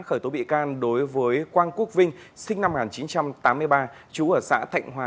khởi tố bị can đối với quang quốc vinh sinh năm một nghìn chín trăm tám mươi ba trú ở xã thạnh hòa